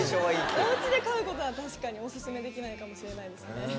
お家で飼うことは確かにお勧めできないかもしれないです。